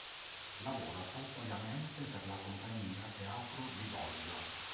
Lavora saltuariamente per la compagnia Teatro dei Borgia.